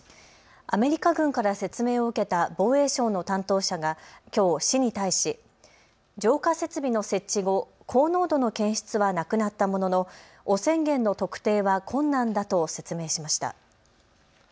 アメリカ軍から説明を受けた防衛省の担当者がきょう市に対し浄化設備の設置後、高濃度の検出はなくなったものの汚染源の特定は困難だと説明しました。